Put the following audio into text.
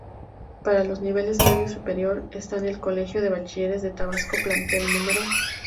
Para los niveles medio superior están: el Colegio de Bachilleres de Tabasco Plantel No.